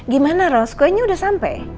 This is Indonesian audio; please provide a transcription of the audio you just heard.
gimana ros kuenya udah sampai